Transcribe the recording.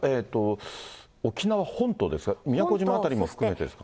沖縄本島ですか、宮古島辺りも含めてですか。